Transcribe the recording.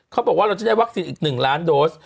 เขาบอกว่าเราจะได้วัคซีนอีก๑ล้านโดส